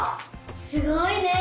すごいね！